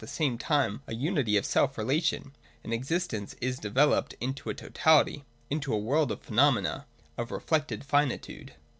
[132, 133 the same time a unity of self relation ; and existence is developed into a totality, into a world of phenomena, — of reflected finitude.